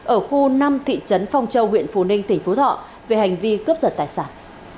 ở khu năm thị trấn phong châu huyện phú ninh tỉnh phú thọ về hành vi cướp giật tài sản